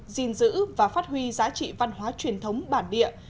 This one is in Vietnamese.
gìn giữ và phát huy giá trị văn hóa truyền thống bản địa